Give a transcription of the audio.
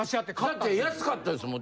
だって安かったですもん。